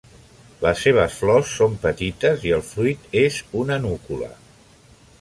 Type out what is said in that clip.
Les seves flors són petites i el fruit és una núcula.